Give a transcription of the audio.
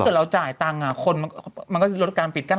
เกิดเราจ่ายตังค์คนมันก็ลดการปิดกั้น